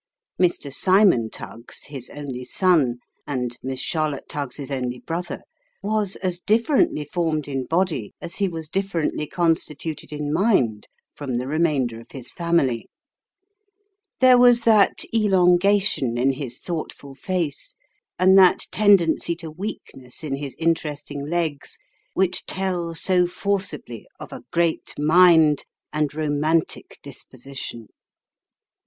Mr. Simon Tuggs, his only son, and Miss Charlotte Tnggs's only brother, was as differently formed in body, as he was differently constituted in mind, from the remainder of his family. 252 Sketches by Bos. There was that elongation in his thoughtful face, and that tendency to weakness in his interesting legs, which tell so forcibly of a great mind and romantic disposition.